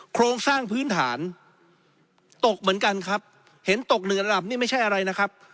โครงสร้างพื้นฐานตกเหมือนกันครับเห็นตกเหลือระดับนี่ไม่ใช่อะไรนะครับ